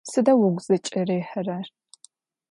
Sıda vugu zıç'ırihırer?